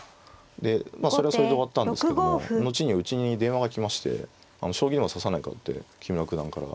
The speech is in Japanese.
でまあそれはそれで終わったんですけども後にうちに電話が来まして「将棋でも指さないか」って木村九段から言われまして。